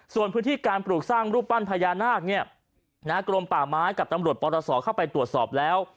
ส่วนพื้นที่การปลูกสร้างรูปปั้นพญานาคกรมป่าไม้กับตำรวจปรศเข้าไปตรวจสอบแล้ว